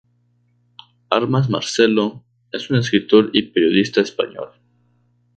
Armas Marcelo", es un escritor y periodista español.